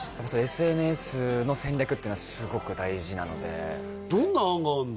ＳＮＳの戦略っていうのはすごく大事なのでどんな案があんの？